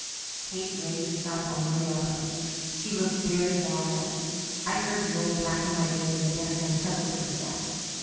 Kate raised herself on one elbow. She looked very wild. I heard the old black and white lady in the background chuckle to herself.